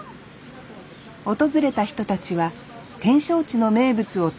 訪れた人たちは展勝地の名物を楽しみにしています